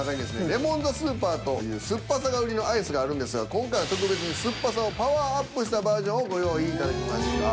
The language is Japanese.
レモン・ザ・スーパーという酸っぱさが売りのアイスがあるんですが今回は特別に酸っぱさをパワーアップしたバージョンをご用意いただきました。